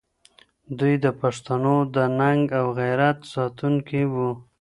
دوی د پښتنو د ننګ او غیرت ساتونکي وو.